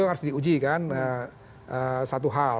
ya itu harus diuji kan satu hal